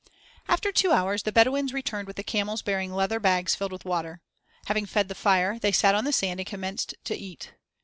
After two hours the Bedouins returned with the camels bearing leather bags filled with water. Having fed the fire, they sat on the sand and commenced to eat.